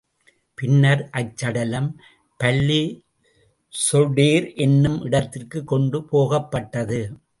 பின்னர் அச்சடலம் பல்லிஸொடேர் என்னும் இடத்திற்குக் கொண்டு போகப்பட்டது.